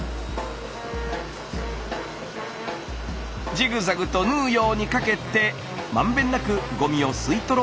ジグザグと縫うようにかけて満遍なくゴミを吸い取ろうとしています。